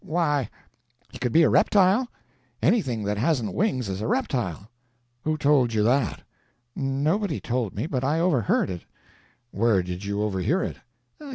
"Why, he could be a reptile; anything that hasn't wings is a reptile." "Who told you that?" "Nobody told me, but I overheard it." "Where did you overhear it?"